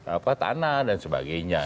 apa tanah dan sebagainya